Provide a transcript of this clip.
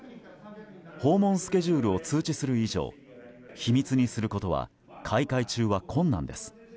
訪問スケジュールを通知する以上秘密にすることは開会中は困難です。